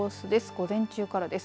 午前中からです。